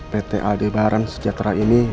pt aldebaran sejahtera ini